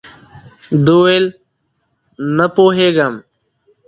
ده ویل، نه پوهېږم.